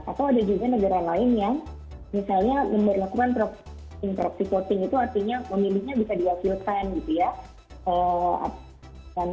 atau ada juga negara lain yang misalnya memberlakukan proxy voting itu artinya pemilihnya bisa diafilkan gitu ya